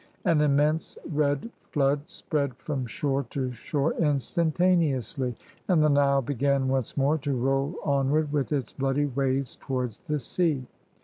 An immense red flood spread from shore to shore instantaneously, and the Nile began once more to roll onward with its bloody waves towards the sea.